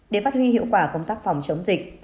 để phát huy hiệu quả công tác phòng chống dịch